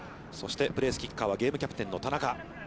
そしてプレースキッカーは、ゲームキャプテンの田中。